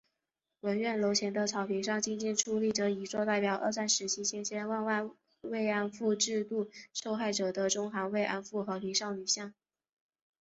文苑楼前的草坪上静静矗立着一座代表二战时期千千万万“慰安妇”制度受害者的中韩“慰安妇”和平少女像